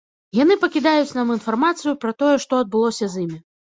Яны пакідаюць нам інфармацыю пра тое, што адбылося з імі.